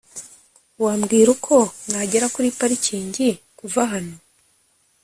wambwira uko nagera kuri parikingi kuva hano